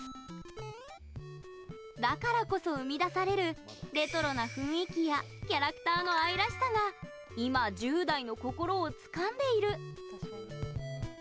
だからこそ生み出されるレトロな雰囲気やキャラクターの愛らしさが今、１０代の心をつかんでいる。